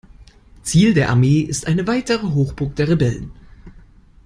Ziel der Armee ist eine weitere Hochburg der Rebellen.